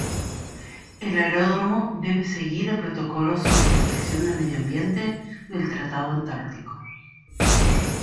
El aeródromo debe seguir el Protocolo sobre Protección del Medio Ambiente del Tratado Antártico.